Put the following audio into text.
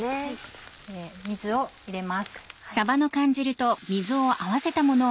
水を入れます。